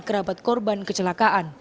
kerabat korban kecelakaan